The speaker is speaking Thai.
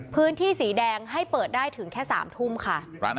พื้นที่สีแดงให้เปิดได้ถึงแค่๓ทุ่มค่ะ